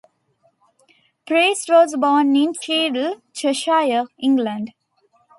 Priest was born in Cheadle, Cheshire, England.